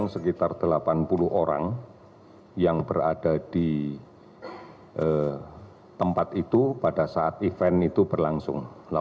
sekitar delapan puluh orang yang berada di tempat itu pada saat event itu berlangsung